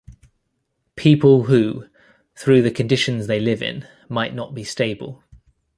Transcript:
People who, through the conditions they live in, might not be stable.